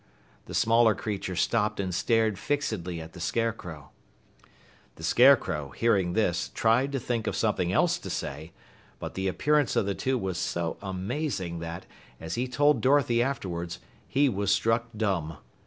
The smaller creature stopped and stared fixedly at the Scarecrow. The Scarecrow, hearing this, tried to think of something else to say, but the appearance of the two was so amazing that, as he told Dorothy afterwards, he was struck dumb.